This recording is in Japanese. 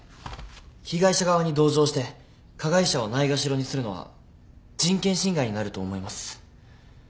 被害者側に同情して加害者をないがしろにするのは人権侵害になると思います。